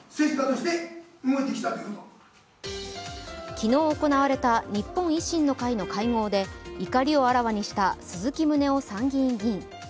昨日行われた日本維新の会の会合で怒りをあらわにした鈴木宗男参議院議員。